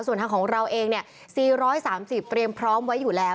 ส่วนทางของเราเอง๔๓๐เตรียมพร้อมไว้อยู่แล้ว